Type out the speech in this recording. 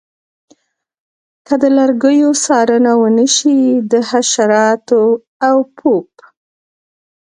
که د لرګیو څارنه ونشي د حشراتو او پوپ